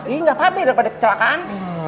ini nggak apa apa daripada kecelakaan